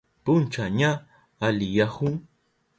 Puncha ña aliyahun.